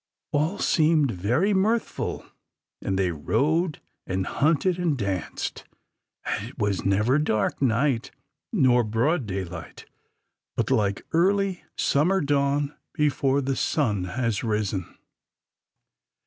All seemed very mirthful, and they rode, and hunted, and danced; and it was never dark night, nor broad daylight, but like early summer dawn before the sun has risen.